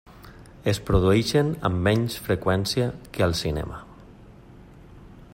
Es produeixen amb menys freqüència que al cinema.